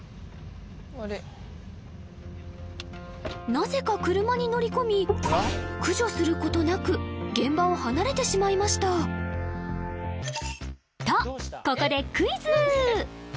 なぜか車に乗り込み駆除することなく現場を離れてしまいましたとここでクイズ！